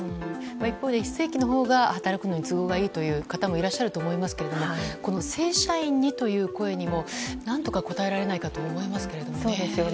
一方で非正規のほうが働くのに都合がいいという方もいらっしゃるとは思いますが正社員にという声にも何とか応えられないかと思いますけどね。